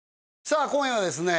さあ今夜はですね